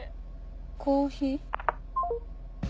コーヒー？